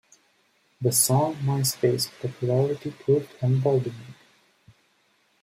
The song's Myspace popularity proved emboldening.